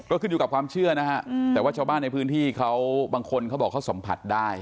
ก็ขึ้นอยู่กับความเชื่อนะฮะแต่ว่าชาวบ้านในพื้นที่เขาบางคนเขาบอกเขาสัมผัสได้